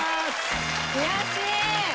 悔しい！